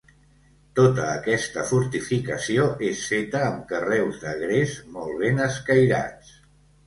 Tota aquesta fortificació és feta amb carreus de gres molt ben escairats.